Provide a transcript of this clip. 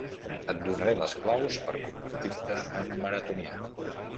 Et donaré les claus per convertir-te en maratonià.